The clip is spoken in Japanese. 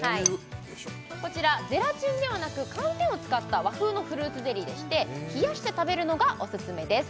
こちらゼラチンではなく寒天を使った和風のフルーツゼリーでして冷やして食べるのがオススメです